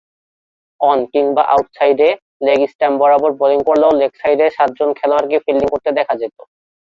On কিংবা out সাইডে leg stump বরাবর বোলিং করলেও লেগ সাইডে সাতজন খেলোয়াড়কে ফিল্ডিং করতে দেখা যেতো।